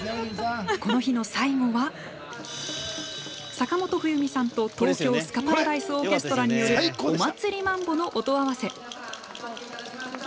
この日の最後は坂本冬美さんと東京スカパラダイスオーケストラによる「お祭りマンボ」の音合わせ。